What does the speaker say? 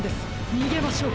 にげましょう！